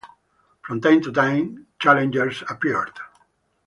From time to time, challengers appeared.